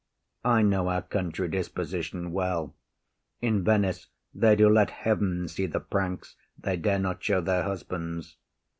I know our country disposition well; In Venice they do let heaven see the pranks They dare not show their husbands.